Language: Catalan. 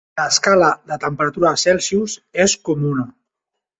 L'escala de temperatura Celsius és comuna.